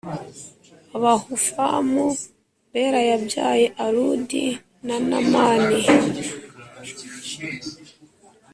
Abahufamu Bela yabyaye Arudi na Namani